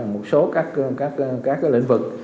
một số các lĩnh vực